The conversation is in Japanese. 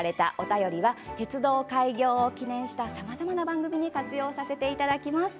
鉄道開業を記念したさまざまな番組に活用させていただきます。